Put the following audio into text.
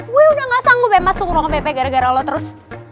gue udah ga sanggup masuk ruang bp gara gara lo terus